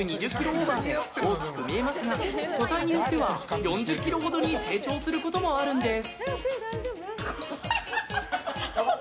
オーバーで大きく見えますが個体によっては４０ｋｇほどに成長することもあるんです。